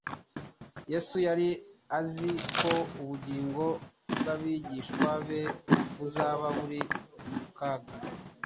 Yesu yari azi ko ubugingo bw'abigishwa be buzaba buri mu kaga.